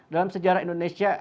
dalam sejarah indonesia